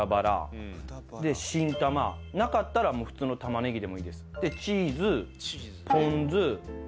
なかったらもう普通の玉ねぎでもいいです。